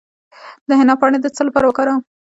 د حنا پاڼې د څه لپاره وکاروم؟